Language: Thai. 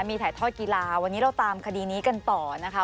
มีถ่ายทอดกีฬาวันนี้เราตามคดีนี้กันต่อนะคะ